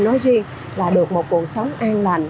nói riêng là được một cuộc sống an lành